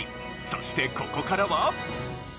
そしてここからは。